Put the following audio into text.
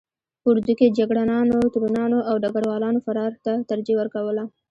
په اردو کې جګړه نانو، تورنانو او ډګر والانو فرار ته ترجیح ورکوله.